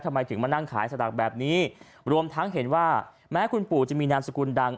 ทำไมถึงมานั่งขายสลักแบบนี้รวมทั้งเห็นว่าแม้คุณปู่จะมีนามสกุลดัง